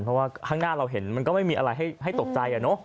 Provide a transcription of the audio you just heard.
เพราะว่าข้างหน้าเราเห็นมันก็ไม่มีอะไรให้ตกใจ